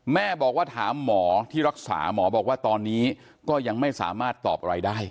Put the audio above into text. แม่บอกว่าถามหมอที่รักษาหมอบอกว่าตอนนี้ก็ยังไม่สามารถตอบอะไรได้